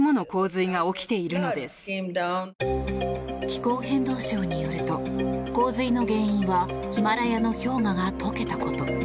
気候変動相によると洪水の原因はヒマラヤの氷河が解けたこと。